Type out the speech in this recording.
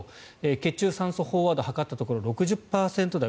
血中酸素飽和度を測ったところ６０％台。